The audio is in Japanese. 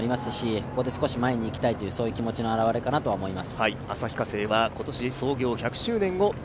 ここで少し前に行きたいという気持ちのあらわれかなと思います。